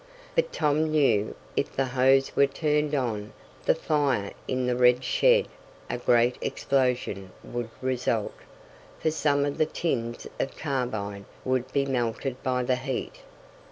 But Tom knew if the hose were turned on the fire in the red shed a great explosion would result, for some of the tins of carbide would be melted by the heat.